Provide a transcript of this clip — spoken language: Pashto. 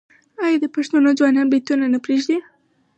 آیا د پښتنو ځوانان بروتونه نه پریږدي؟